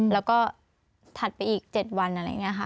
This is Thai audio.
แล้วก็ถัดไปอีก๗วันอะไรอย่างนี้ค่ะ